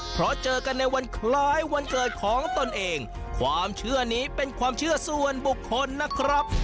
เพราะเจอกันในวันคล้ายวันเกิดของตนเองความเชื่อนี้เป็นความเชื่อส่วนบุคคลนะครับ